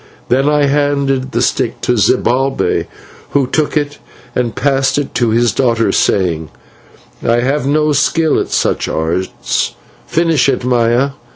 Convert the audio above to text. Then I handed the stick to Zibalbay, who took it and passed it on to his daughter, saying: "'I have no skill at such arts; finish it, Maya.'